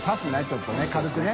ちょっとね軽くね。